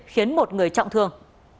khiến một người trọng thương